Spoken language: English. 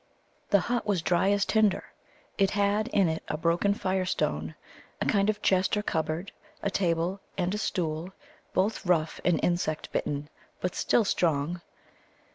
The hut was dry as tinder. It had in it a broken fire stone, a kind of chest or cupboard, a table, and a stool, both rough and insect bitten, but still strong.